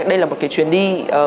đây là một cái chuyến đi